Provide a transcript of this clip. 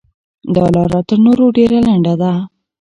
دا لاره تر نورو ډېره لنډه ده.